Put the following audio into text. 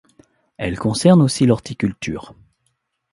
Elle concerne aussi l'horticulture.